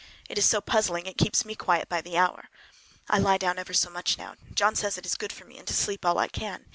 It is so puzzling. It keeps me quiet by the hour. I lie down ever so much now. John says it is good for me, and to sleep all I can.